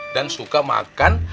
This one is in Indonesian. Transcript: dan suka makan